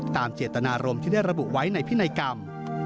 ตามเจตนารมณ์ที่ได้ระบุไว้ในพินัยกรรม